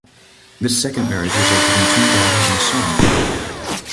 This second marriage resulted in two daughters and a son.